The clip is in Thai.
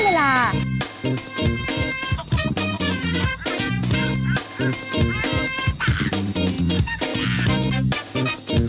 วากอยู่